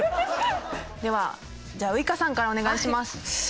ではじゃあウイカさんからお願いします。